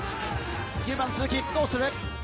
９番・鈴木どうする？